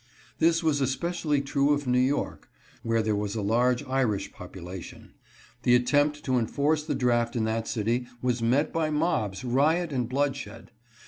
This was especially true of New York, where 432 MOB LAW IN NEW YORK. there was a large Irish population. The attempt to enforce the draft in that city was met by mobs, riot, and bloodshed.